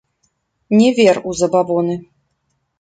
Не вер у забабоны.